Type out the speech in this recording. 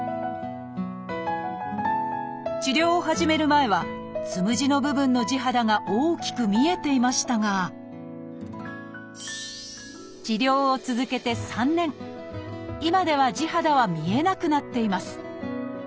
治療を始める前はつむじの部分の地肌が大きく見えていましたが治療を続けて３年今では地肌は見えなくなっています。